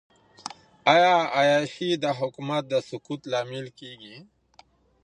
آیا عیاشي د حکومت د سقوط لامل کیږي؟